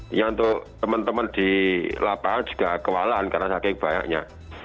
ini untuk teman teman di lapangan juga kewalahan karena saking banyaknya